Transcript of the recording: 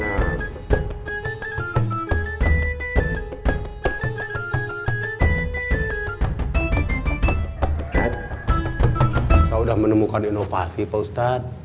saya sudah menemukan inovasi pak ustadz